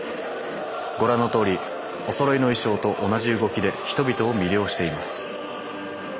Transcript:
ご覧のとおりおそろいの衣装と同じ動きで人々を魅了しています。